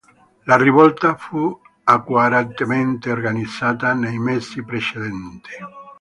La rivolta fu accuratamente organizzata nei mesi precedenti.